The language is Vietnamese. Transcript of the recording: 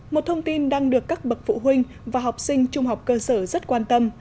một thông tin đang được các bậc phụ huynh và học sinh trung học cơ sở rất quan tâm